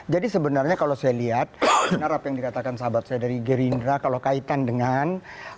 jadi sebenarnya kalau saya lihat narap yang dikatakan sahabat saya dari gerindra kalau kaitan dengan